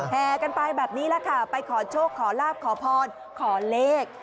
แห่กันไปแบบนี้แหละค่ะไปขอโชคขอลาบขอพรขอเลข